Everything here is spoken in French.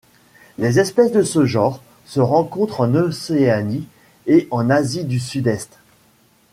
Les espèces de ce genre se rencontrent en Océanie et en Asie du Sud-Est.